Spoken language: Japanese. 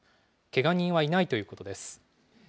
けが人はいないということです。